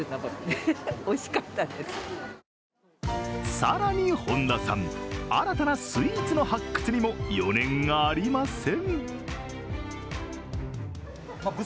さらに本田さん、新たなスイーツの発掘にも余念がありません。